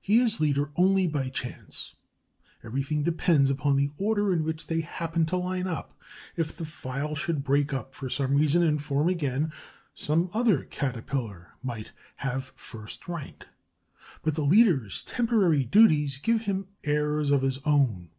He is leader only by chance; everything depends upon the order in which they happen to line up. If the file should break up, for some reason, and form again, some other Caterpillar might have first rank. But the leader's temporary duties give him airs of his own.